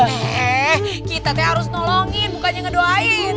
nih kita harus nolongin bukannya ngedoain